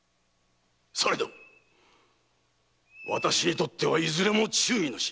されど私にとってはいずれも忠義の士。